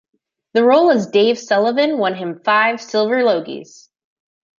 The role as Dave Sullivan won him five Silver Logies.